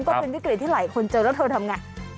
แต่คุณผู้ชมก็เป็นวิกฤตที่หลายคนเจอแล้วเธอทำอย่างไร